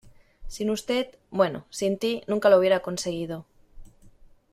sin usted... bueno, sin ti nunca lo hubiera conseguido .